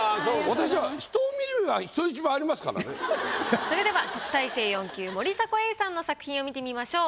私はそれでは特待生４級森迫永依さんの作品を見てみましょう。